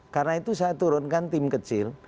karena itu saya turunkan tim kecil